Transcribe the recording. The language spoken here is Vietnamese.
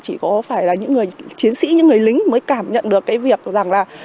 chỉ có phải là những người chiến sĩ những người lính mới cảm nhận được cái việc rằng là